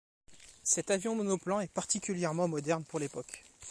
Cet avion monoplan est particulièrement moderne pour l'époque.